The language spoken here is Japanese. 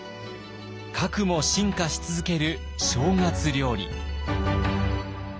かくも進化し続ける正月料理。